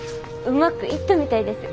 うまくいったみたいです。